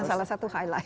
salah satu highlight